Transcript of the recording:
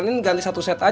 minum obat bisa kelar